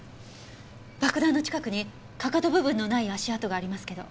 爆弾の近くにかかと部分のない足跡がありますけど。